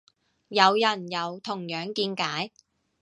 有人有同樣見解